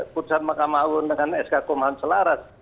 kursan mahkamah awun dengan sk komahan selaras